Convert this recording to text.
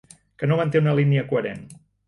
Que no manté una línia coherent.